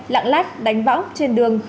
lạng lách đánh bão trên đường